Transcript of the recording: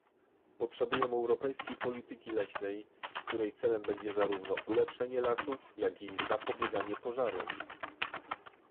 Potrzebujemy europejskiej polityki leśnej, której celem będzie zarówno ulepszenie lasów, jak i zapobieganie pożarom